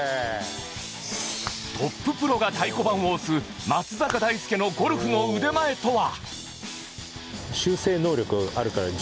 トッププロが太鼓判を押す松坂大輔のゴルフの腕前とは？